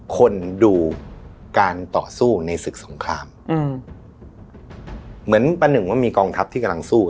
คนดูการต่อสู้ในศึกสงครามอืมเหมือนประหนึ่งว่ามีกองทัพที่กำลังสู้